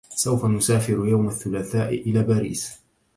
سوف نسافر يوم الثلاثاء الى باريس.